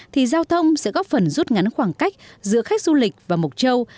thì giao thông sẽ góp phần rút ngắn khoảng cách giữa khách du lịch và mộc châu